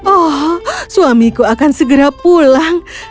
oh suamiku akan segera pulang